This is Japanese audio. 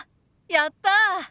やった。